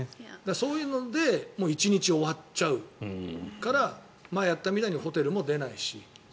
そういうので１日終わっちゃうから前やったみたいにホテルも出ないし。